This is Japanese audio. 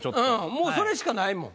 もうそれしかないもん。